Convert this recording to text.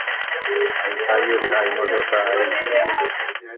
ahita yurira imodoka arigendera